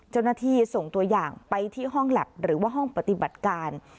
เจ้าหน้าที่ส่งตัวอย่างไปที่ห้องแล็บหรือว่าห้องปฏิบัติการ